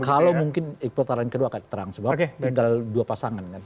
kalau mungkin di putaran kedua akan terang sebab tinggal dua pasangan kan